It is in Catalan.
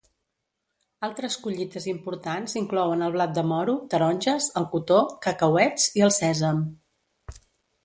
Altres collites importants inclouen el blat de moro, taronges, el cotó, cacauets i el sèsam.